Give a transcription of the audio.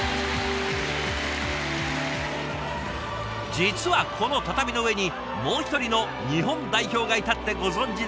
実はこの畳の上にもう一人の日本代表がいたってご存じでした？